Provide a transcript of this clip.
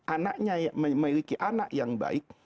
anaknya memiliki anak yang baik